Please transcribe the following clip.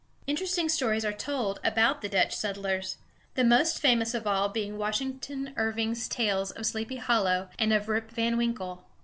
Interesting stories are told about the Dutch settlers, the most famous of all being Washington Irving's tales of Sleepy Hollow and of Rip Van Winkle.